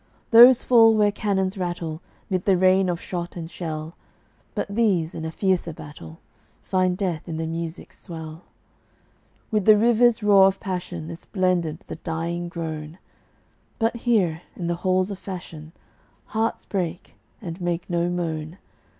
Those fall where cannons rattle, 'Mid the rain of shot and shell; But these, in a fiercer battle, Find death in the music's swell. With the river's roar of passion Is blended the dying groan; But here, in the halls of fashion, Hearts break, and make no moan.